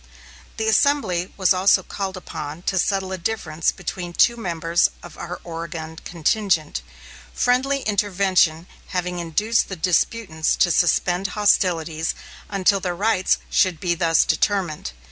The assembly was also called upon to settle a difference between two members of our Oregon contingent, friendly intervention having induced the disputants to suspend hostilities until their rights should be thus determined.